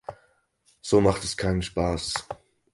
So macht es keinen Spaß.